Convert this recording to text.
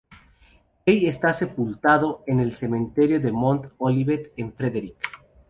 Key está sepultado en el cementerio de Mount Olivet en Frederick.